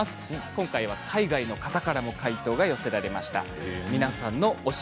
今回は海外の方からも回答が寄せられました。